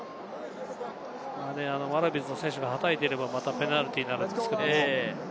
ワラビーズの選手がはたいていれば、またペナルティーになるんですけれども。